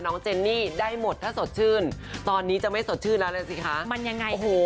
เจนนี่ได้หมดถ้าสดชื่นตอนนี้จะไม่สดชื่นแล้วเลยสิคะมันยังไงโอ้โห